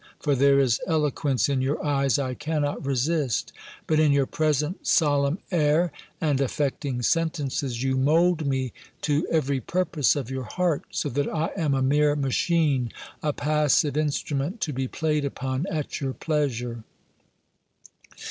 For there is eloquence in your eyes I cannot resist; but in your present solemn air, and affecting sentences, you mould me to every purpose of your heart; so that I am a mere machine, a passive instrument, to be played upon at your pleasure."